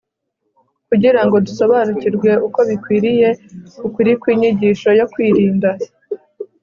kugira ngo dusobanukirwe uko bikwiriye ukuri kw'inyigisho yo kwirinda